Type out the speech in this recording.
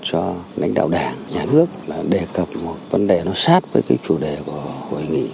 cho lãnh đạo đảng nhà nước đề cập một vấn đề nó sát với cái chủ đề của hội nghị